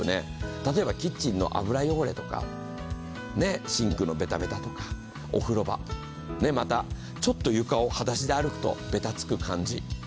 例えばキッチンの油汚れとか、シンクのべたべたとかお風呂場、またちょっと床をはだしで歩くとべたつく感じ。